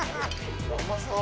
うまそう！